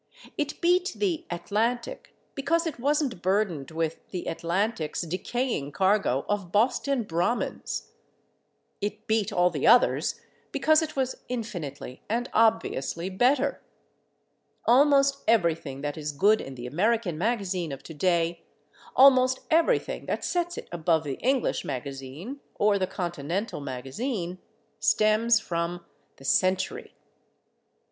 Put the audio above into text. It beat the Atlantic because it wasn't burdened with the Atlantic's decaying cargo of Boston Brahmins. It beat all the others because it was infinitely and obviously better. Almost everything that is good in the American magazine of to day, almost everything that sets it above the English magazine or the Continental magazine, stems from the Century.